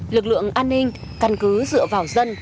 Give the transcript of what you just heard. lực lượng an ninh căn cứ dựa vào dân